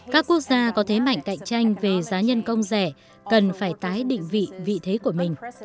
các quốc gia có thế mạnh cạnh tranh về giá nhân công rẻ cần phải tái định vị vị thế của mình